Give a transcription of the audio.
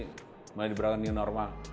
kemudian diberangkat new normal